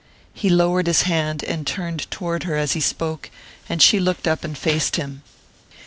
He lowered his hand and turned toward her as he spoke; and she looked up and faced him.